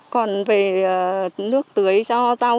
còn về nước tưới cho rau